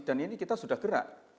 dan ini kita sudah gerak